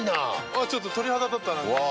あっちょっと鳥肌立った。